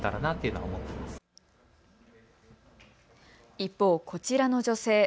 一方、こちらの女性。